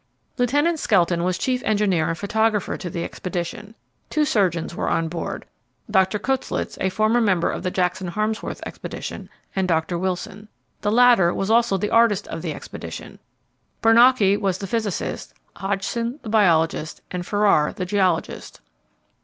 Lieutenant Skelton was chief engineer and photographer to the expedition. Two surgeons were on board Dr. Koettlitz, a former member of the Jackson Harmsworth expedition, and Dr. Wilson. The latter was also the artist of the expedition. Bernacchi was the physicist, Hodgson the biologist, and Ferrar the geologist.